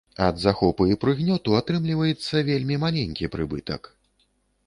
Ад захопу і прыгнёту атрымліваецца вельмі маленькі прыбытак.